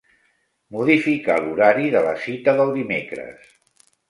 Modificar l'horari de la cita del dimecres.